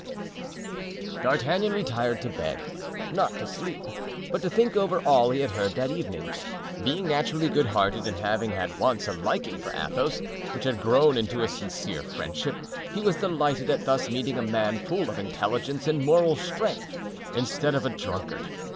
D'Artagnan retired to bed—not to sleep, but to think over all he had heard that evening. Being naturally goodhearted, and having had once a liking for Athos, which had grown into a sincere friendship, he was delighted at thus meeting a man full of intelligence and moral strength, instead of a drunkard.